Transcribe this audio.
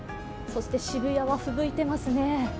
そして渋谷はふぶいてますね。